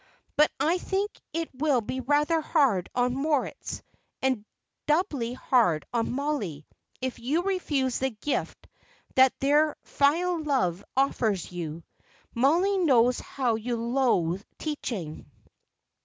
"But I think it will be rather hard on Moritz, and doubly hard on Mollie, if you refuse the gift that their filial love offers you. Mollie knows how you loathe teaching.